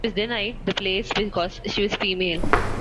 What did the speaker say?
She was denied the place because she was female.